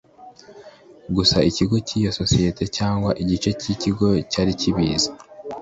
gusa ikigo cy’iyo sosiyete cyangwa igice cy’ikigo cyari kibizi